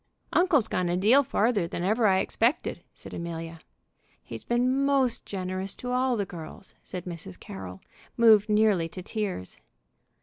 "Uncle's gone a deal farther than ever I expected," said Amelia. "He's been most generous to all the girls," said Mrs. Carroll, moved nearly to tears.